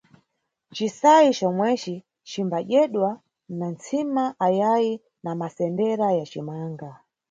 Cisayi comweci cimba dyedwa na ntsima ayayi na masendera ya cimanga.